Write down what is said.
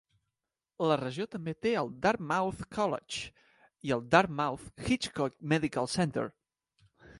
La regió també té el Dartmouth College i el Dartmouth-Hitchcock Medical Center.